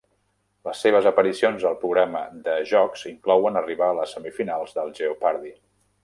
Les seves aparicions al programa de jocs inclouen arribar a les semifinals del Jeopardy!